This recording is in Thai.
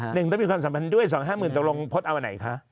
หนึ่งต้องมีความสัมพันธ์ด้วยสองห้าหมื่นตกลงพจน์เอาอันไหนคะ